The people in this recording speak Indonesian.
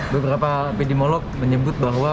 beberapa epidemiolog menyebut bahwa